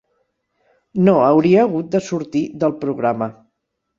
No hauria hagut de sortir del programa.